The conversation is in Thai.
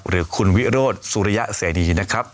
หรือคุณวิโรธสุริยะเสรีนะครับ